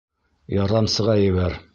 Ярҙамсыға ебәр.